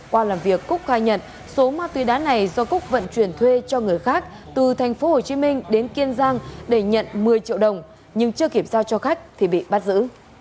qua làm việc cúc khai nhận số ma túy đá này do cúc vận chuyển thuê cho người khác từ thành phố hồ chí minh đến kiên giang để nhận một mươi triệu đồng nhưng chưa kiểm tra cho khách thì bị bắt giữ